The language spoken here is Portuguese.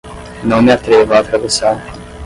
Não me atrevo a atravessar